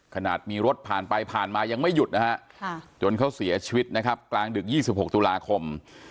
ขนาดมีรถผ่านไปผ่านมายังไม่หยุดนะฮะจนเขาเสียชีวิตนะครับกลางดึก๒๖ตุลาคม